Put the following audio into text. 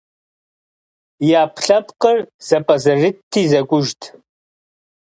И Ӏэпкълъэпкъыр зэпӀэзэрытти, зэкӀужт.